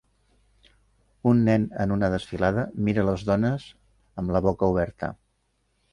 Un nen en una desfilada mira les dones amb la boca oberta